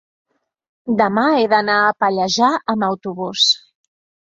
demà he d'anar a Pallejà amb autobús.